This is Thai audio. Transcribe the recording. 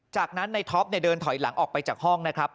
จากนั้นในท็อปเดินถอยหลังออกไปจากห้องนะครับ